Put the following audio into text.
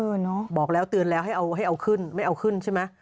เนอะบอกแล้วเตือนแล้วให้เอาให้เอาขึ้นไม่เอาขึ้นใช่ไหม